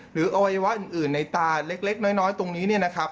หรืออวัยวะอื่นในตาเล็กน้อยตรงนี้นะครับ